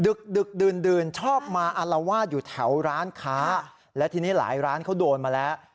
ดึกดื่นชอบมาอารวาสอยู่แถวร้านค้าและทีนี้หลายร้านเขาโดนมาแล้ว